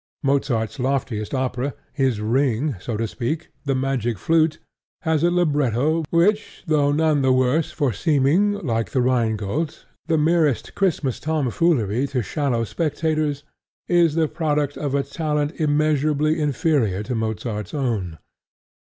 Mozart's loftiest opera, his Ring, so to speak, The Magic Flute, has a libretto which, though none the worse for seeming, like The Rhine Gold, the merest Christmas tomfoolery to shallow spectators, is the product of a talent immeasurably inferior to Mozart's own.